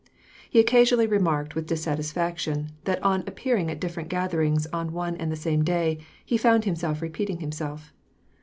He occasionally remarked with dissatisfaction, that on appear ing at different gatherings on one and the same day, he found himself repeating himself.